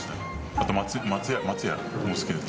あと松屋松屋も好きです。